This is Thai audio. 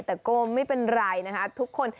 แต่ก็ไม่เป็นไรนะคะทุกคน